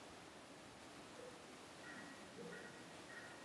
kualikwa nyumbani ikiwa hawaogopi shida yoyote ya kisiasa